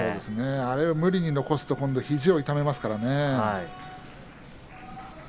あれを無理に残すと肘を痛めますからね。